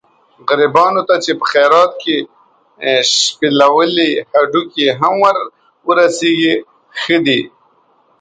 غریبانو ته چې په خیرات کې شپېلولي هډوکي هم ورسېږي ښه دي.